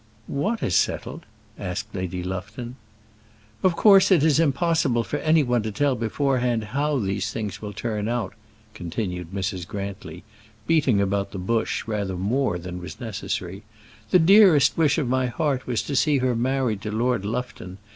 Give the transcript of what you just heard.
"What is settled?" asked Lady Lufton. "Of course it is impossible for any one to tell beforehand how these things will turn out," continued Mrs. Grantly, beating about the bush rather more than was necessary. "The dearest wish of my heart was to see her married to Lord Lufton.